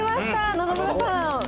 野々村さん。